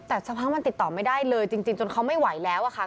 แต่สักพักมันติดต่อไม่ได้เลยจริงจนเขาไม่ไหวแล้วอะค่ะ